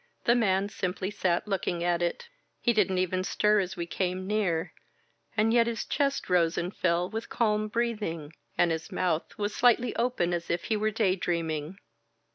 The man simply sat looking at it. He didn't even stir as we came near, and yet his chest rose and fell with calm breathing, and his mouth was slightly open as if he were day dreaming.